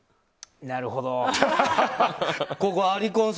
なるほど。